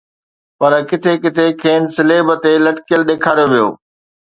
پر ڪٿي ڪٿي کين صليب تي لٽڪيل ڏيکاريو ويو